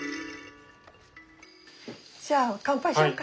じゃあ乾杯しよっか。